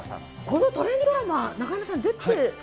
このトレンディードラマ、中山さん出て？